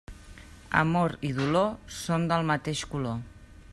Amor i dolor són del mateix color.